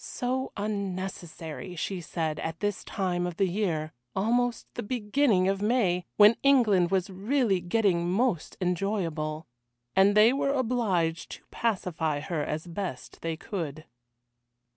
So unnecessary, she said, at this time of the year, almost the beginning of May, when England was really getting most enjoyable. And they were obliged to pacify her as best they could.